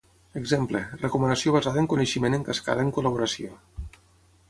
Exemple, recomanació basada en coneixement en cascada en col·laboració.